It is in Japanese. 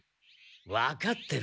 わかってる。